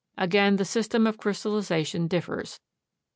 Again, the system of crystallization differs.